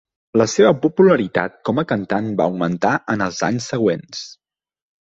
La seva popularitat com a cantant va augmentar en els anys següents.